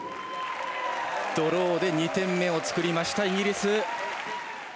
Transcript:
ドローで２点目を作りましたイギリス。